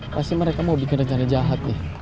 pasti mereka mau bikin rencana jahat nih